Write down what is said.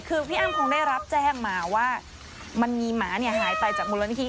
คือพี่อ้ำคงได้รับแจ้งมาว่ามันมีหมาเนี่ยหายไปจากมูลนิธิ